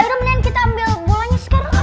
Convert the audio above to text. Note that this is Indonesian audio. baru mendingan kita ambil bolanya sekarang